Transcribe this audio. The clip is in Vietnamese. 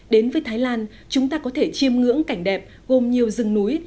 đến với thái lan chúng ta có thể chiêm ngưỡng cảnh đẹp gồm nhiều rừng núi